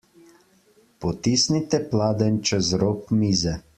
Potisnite pladenj čez rob mize.